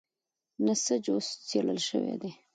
نسج اوس څېړل شوی دی.